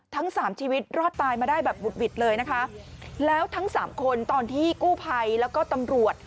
ทั้งสามชีวิตรอดตายมาได้แบบบุดหวิดเลยนะคะแล้วทั้งสามคนตอนที่กู้ภัยแล้วก็ตำรวจ